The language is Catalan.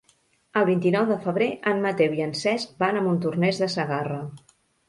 El vint-i-nou de febrer en Mateu i en Cesc van a Montornès de Segarra.